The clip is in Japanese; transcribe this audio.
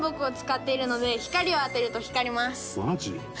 マジ？